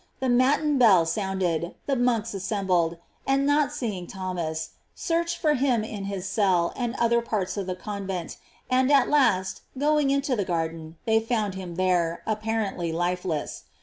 The matin bell sound ed, the monks assembled, and not seeing Thom as, searched for him in his cell and other parts of the convent, and at last going into the garden they found him there, apparently lifeless.